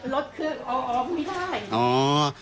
รถเครื่องออกออกไม่ได้